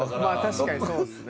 確かにそうですね。